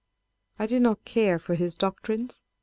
I did not care for his doctrines.